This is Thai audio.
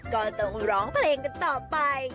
ก็ต้องร้องเพลงกันต่อไป